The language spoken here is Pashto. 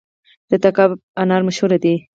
د تګاب انار مشهور دي